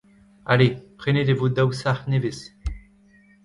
Ale, prenet e vo daou sac’h nevez.